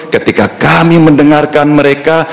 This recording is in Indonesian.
ketika kami mendengarkan mereka